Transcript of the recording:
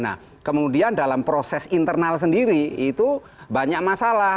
nah kemudian dalam proses internal sendiri itu banyak masalah